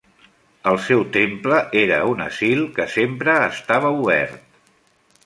El seu temple era un asil que sempre estava obert.